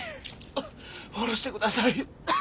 降ろしてください。